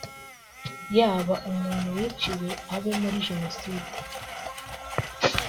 yaba umuntu wiciwe abe muri Jenoside